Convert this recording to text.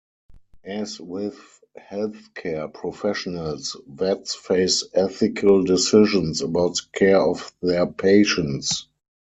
As with healthcare professionals, vets face ethical decisions about the care of their patients.